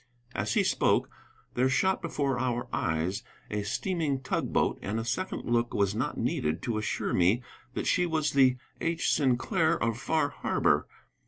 As he spoke, there shot before our eyes a steaming tug boat, and a second look was not needed to assure me that she was the "H. Sinclair, of Far Harbor."